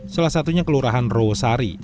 salah satunya kelurahan rosari